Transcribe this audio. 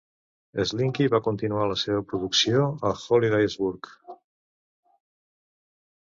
Slinky va continuar la seva producció a Hollidaysburg.